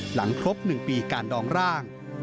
หลังครบ๑ปีการดองร่าง